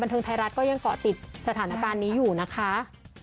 เทิงไทยรัฐก็ยังเกาะติดสถานการณ์นี้อยู่นะคะ